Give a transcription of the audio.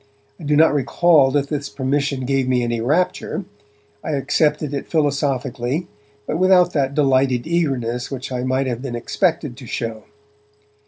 I do not recall that this permission gave me any rapture; I accepted it philosophically but without that delighted eagerness which I might have been expected to show.